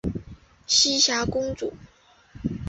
栖霞公主。